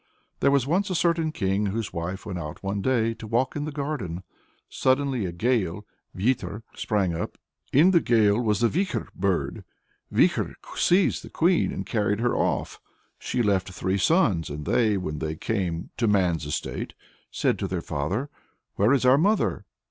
There was a certain king, whose wife went out one day to walk in the garden. "Suddenly a gale (vyeter) sprang up. In the gale was the Vikhor bird. Vikhor seized the Queen, and carried her off." She left three sons, and they, when they came to man's estate, said to their father "Where is our mother?